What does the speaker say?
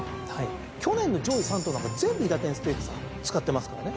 去年の上位３頭なんか全部韋駄天ステークス使ってますからね。